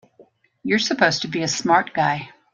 You're supposed to be a smart guy!